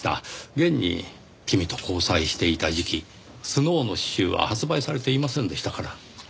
現に君と交際していた時期スノウの詩集は発売されていませんでしたから。